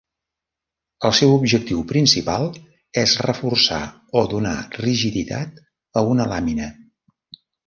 El seu objectiu principal és reforçar o donar rigiditat a una làmina.